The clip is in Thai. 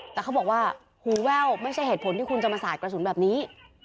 แต่เขาบอกว่าหูแว่วไม่ใช่เหตุผลที่คุณจะมาสาดกระสุนแบบนี้